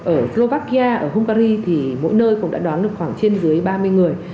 ở slovakia ở hungary thì mỗi nơi cũng đã đón được khoảng trên dưới ba mươi người